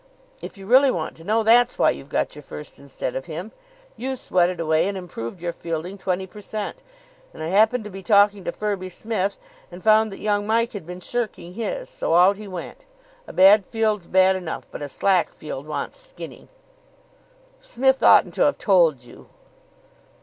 If you really want to know, that's why you've got your first instead of him. You sweated away, and improved your fielding twenty per cent.; and I happened to be talking to Firby Smith and found that young Mike had been shirking his, so out he went. A bad field's bad enough, but a slack field wants skinning." "Smith oughtn't to have told you."